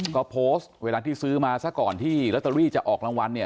ก็โพสต์เวลาที่ซื้อมาซะก่อนที่ลอตเตอรี่จะออกรางวัลเนี่ย